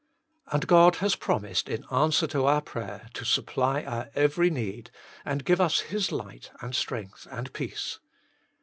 And God has promised in answer to our prayer to supply our every need, and give us His light and strength and peace.